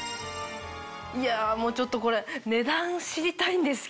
いやちょっとこれ値段知りたいんですけど。